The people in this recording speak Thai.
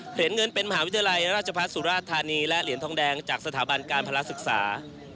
เหรียญเงินเป็นมหาวิทยาลัยราชพัฒน์สุราชธานีและเหรียญทองแดงจากสถาบันการภาระศึกษา